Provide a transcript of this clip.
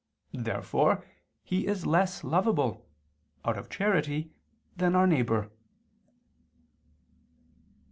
Therefore He is less lovable, out of charity, than our neighbor.